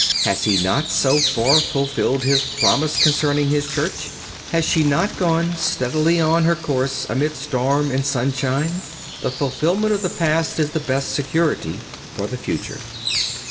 Has He not, so far, fulfilled His promise concerning His Church? Has she not gone steadily on her course amid storm and sunshine? The fulfilment of the past is the best security for the future.